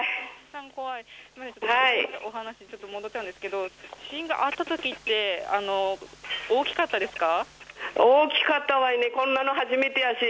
お話ちょっと戻っちゃうんですけど地震があった時って大きかったですか？